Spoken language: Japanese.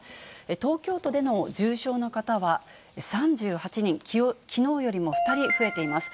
東京都での重症の方は３８人、きのうよりも２人増えています。